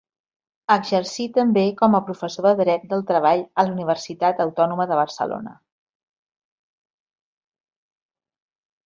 Exercí, també, com a professor de Dret del Treball a la Universitat Autònoma de Barcelona.